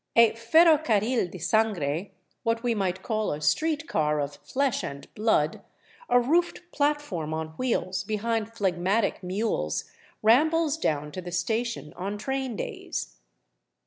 A " ferrocarril de sangre," what we might call a street car of flesh and blood — a roofed platform on wheels behind phlegmatic mules — rambles down to the station on train days.